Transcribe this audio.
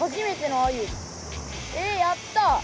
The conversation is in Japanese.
えやったぁ！